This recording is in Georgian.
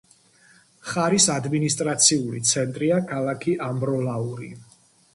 მხარის ადმინისტრაციული ცენტრია ქალაქი ამბროლაური.